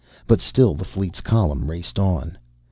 But still the fleet's column raced on.